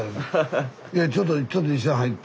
いやちょっとちょっと一緒に入って。